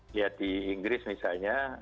lihat di inggris misalnya